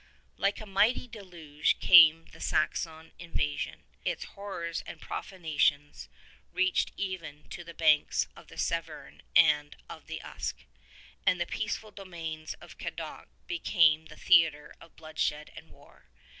Like a mighty deluge came the Saxon invasion. Its hor rors and profanations reached even to the banks of the Severn and of the Usk, and the peaceful domains of Cadoc became the theatre of bloodshed and war.